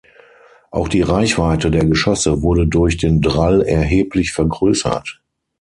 Auch die Reichweite der Geschosse wurde durch den Drall erheblich vergrößert.